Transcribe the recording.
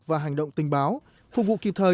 và hành động tình báo phục vụ kịp thời